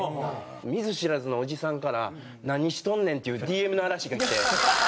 見ず知らずのおじさんから「何しとんねん」っていうＤＭの嵐がきて。